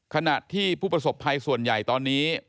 ขณะที่ผู้ประสบภัยส่วนใหญ่ตอนนี้